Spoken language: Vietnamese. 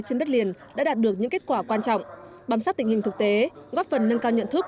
trên đất liền đã đạt được những kết quả quan trọng bám sát tình hình thực tế góp phần nâng cao nhận thức